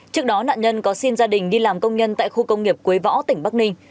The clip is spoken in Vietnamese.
trước đó nạn nhân có xin gia đình đi làm công nhân tại khu công nghiệp quế võ tỉnh bắc ninh